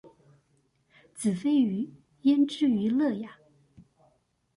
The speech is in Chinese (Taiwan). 子非魚焉知魚樂呀